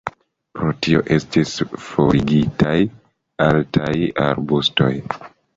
Pro tio estis forigitaj altaj arbustoj.